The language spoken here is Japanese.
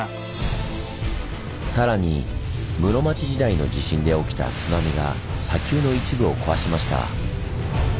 さらに室町時代の地震で起きた津波が砂丘の一部を壊しました。